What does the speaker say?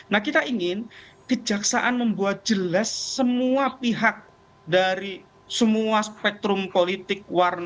nah kita ingin kejaksaan membuat jelas semua pihak dari semua spektrum politik